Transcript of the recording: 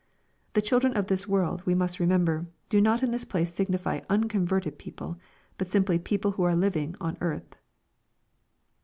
"The children of this worli," we must remember, do not in this place signify unconverted people, but simply people who arc liv ing on earth.